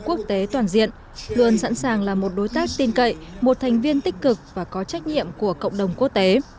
quốc tế toàn diện luôn sẵn sàng là một đối tác tin cậy một thành viên tích cực và có trách nhiệm của cộng đồng quốc tế